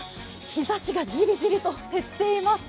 日ざしがじりじりと照っています。